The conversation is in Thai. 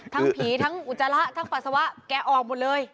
ผีทั้งอุจจาระทั้งปัสสาวะแกออกหมดเลย